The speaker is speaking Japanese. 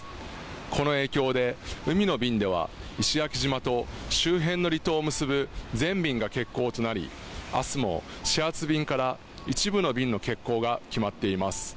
この影響で、海の便では石垣島と周辺の離島を結ぶ前便が欠航となり、明日も始発便から一部の便の欠航が決まっています。